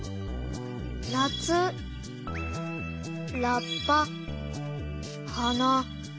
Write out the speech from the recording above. なつラッパはな。